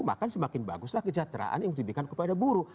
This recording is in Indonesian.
maka semakin baguslah kejateraan yang diberikan kepada buruh